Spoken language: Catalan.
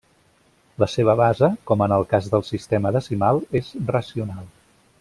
La seva base, com en el cas del sistema decimal, és racional.